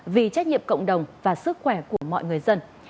vì trách nhiệm cộng đồng và sức khỏe của mọi người dân